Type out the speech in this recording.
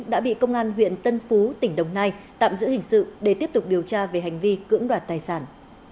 đã bị công an huyện tân phú tỉnh đồng nai tạm giữ hình sự để tiếp tục điều tra về hành vi cưỡng đoạt tài sản